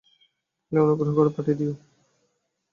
এলেই অনুগ্রহ করে পাঠিয়ে দিও।